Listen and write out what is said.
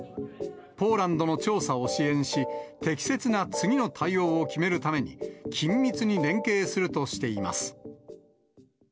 ポーランドの調査を支援し、適切な次の対応を決めるために、緊密に連携するとしています。